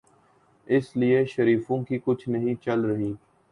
اسی لیے شریفوں کی کچھ نہیں چل رہی۔